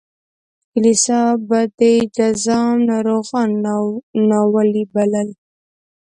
کلیسا به د جذام ناروغان ناولي بلل.